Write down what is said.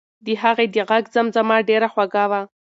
د هغې د غږ زمزمه ډېره خوږه وه.